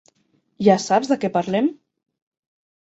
Ja saps de què parlem?